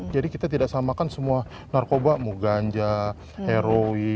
jadi kita tidak samakan semua narkoba muganja heroin metamfetamin itu kita samakan sebanyak